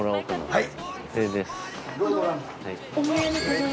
はい。